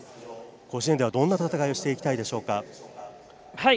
甲子園ではどんな戦いをしていきたいでしょうか。